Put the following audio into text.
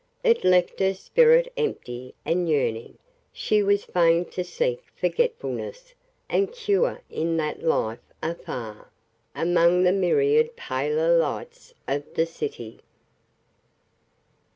It left her spirit empty and yearning; she was fain to seek forgetfulness and cure in that life afar, among the myriad paler lights of the city.